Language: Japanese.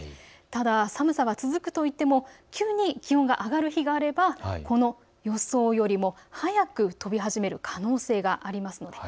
ただ、寒さが続くといっても急に気温が上がる日があればこの予想よりも早く飛び始める可能性があります。